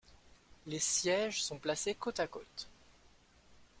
Les sièges sont placés côte à côte.